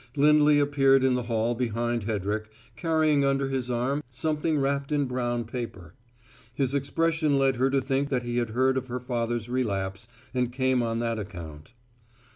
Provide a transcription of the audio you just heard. Lindley appeared in the hall behind Hedrick, carrying under his arm something wrapped in brown paper. His expression led her to think that he had heard of her father's relapse, and came on that account.